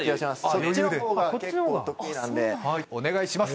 そっちのほうが結構得意なんではいお願いします！